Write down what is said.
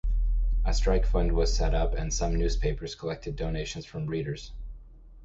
A strike fund was set up and some newspapers collected donations from readers.